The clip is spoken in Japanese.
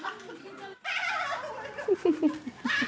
フフフフ！